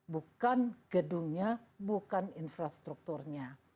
bukan gedungnya bukan infrastrukturnya